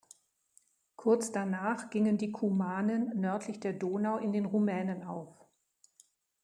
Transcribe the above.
Kurz danach gingen die Kumanen nördlich der Donau in den Rumänen auf.